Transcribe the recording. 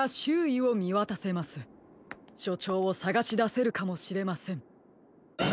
しょちょうをさがしだせるかもしれません。